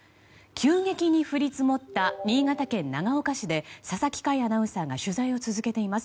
急激に降り積もった新潟県長岡市で佐々木快アナウンサーが取材を続けています。